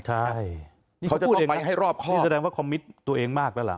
ใช่เขาพูดไปให้รอบครอบนี่แสดงว่าคอมมิตตัวเองมากแล้วล่ะ